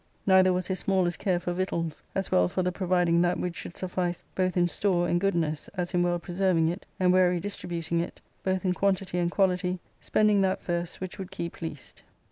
Neither was his smallest care for victuals, as well for the providing that which should suffice, both in store and goodness, as in well preserving it, and wary distributing it, both in quantity and quality, spend ing that first which would keep least.